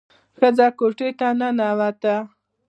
ښځه کوټې ته ننوته.